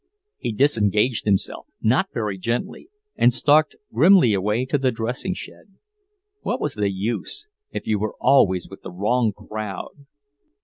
He disengaged himself, not very gently, and stalked grimly away to the dressing shed.... What was the use, if you were always with the wrong crowd?